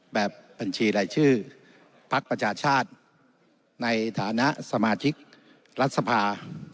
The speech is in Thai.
แบบบัญชีรายชื่อพักประชาชาติในฐานะสมาชิกรัฐสภา